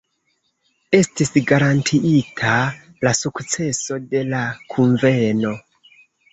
Estis garantiita la sukceso de la Kunveno.